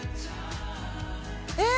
え！